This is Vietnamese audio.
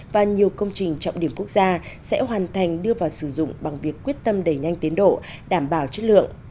và nhiều công trình trọng điểm quốc gia sẽ hoàn thành đưa vào sử dụng bằng việc quyết tâm đẩy nhanh tiến độ đảm bảo chất lượng